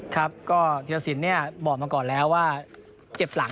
ครับก็เทียรศิลป์บอกมาก่อนแล้วว่าจบหลัง